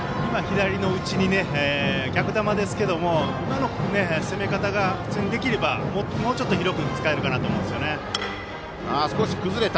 逆球ですけども今の攻め方が普通にできればもうちょっと広く使えるかなと思いますね。